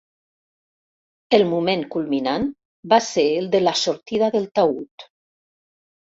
El moment culminant va ser el de la sortida del taüt.